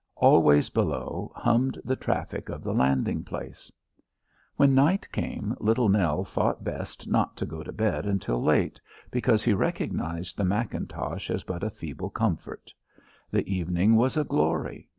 Always below, hummed the traffic of the landing place. When night came Little Nell thought best not to go to bed until late, because he recognised the mackintosh as but a feeble comfort. The evening was a glory.